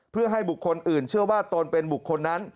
เพื่อให้บุคคลอื่นเชื่อว่าตนเป็นบุคคลนั้น